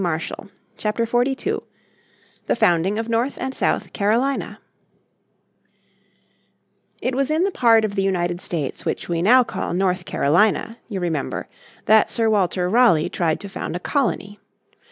__________ Chapter 42 The Founding of North and South Carolina It was in the part of the United States which we now call North Carolina, you remember, that Sir Walter Raleigh tried to found a colony.